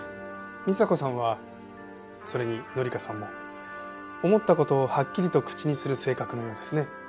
美沙子さんはそれに紀香さんも思った事をはっきりと口にする性格のようですね。